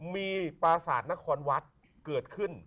มีปราศาสตร์นครวัดเกิดขึ้น